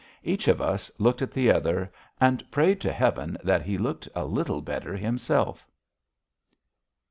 Each of us looked at the other, and prayed to Heaven that he looked a little better himself.